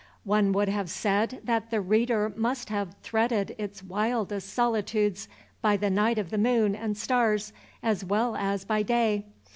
One would have said that the writer must have threaded its wildest solitudes by the light of the moon and stars as well as by day.